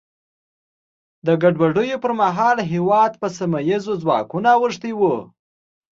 د ګډوډیو پر مهال هېواد په سیمه ییزو ځواکونو اوښتی و.